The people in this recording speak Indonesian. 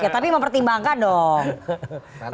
tapi mempertimbangkan dong